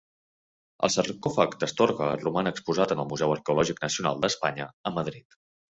El Sarcòfag d'Astorga roman exposat en el Museu Arqueològic Nacional d'Espanya a Madrid.